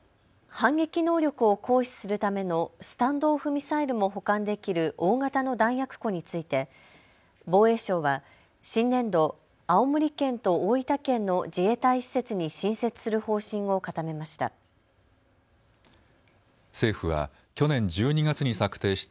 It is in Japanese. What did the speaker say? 反撃能力を行使するためのスタンド・オフ・ミサイルも保管できる大型の弾薬庫について防衛省は新年度、青森県と大分県の自衛隊施設に新設する方針を固めました。